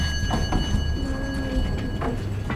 মারো, মারো, কিজি।